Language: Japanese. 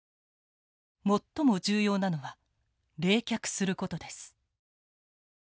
最も重要なのは冷却することです。